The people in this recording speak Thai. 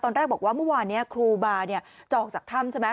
ตอนแรกบอกว่าเมื่อวานนี้ครูบาจะออกจากถ้ำใช่ไหม